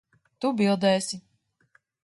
Tu bildēsi.